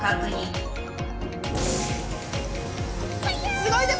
すごいです！